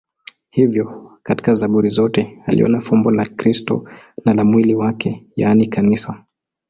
Hivyo katika Zaburi zote aliona fumbo la Kristo na la mwili wake, yaani Kanisa.